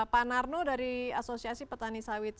pak narno dari asosiasi petani sawit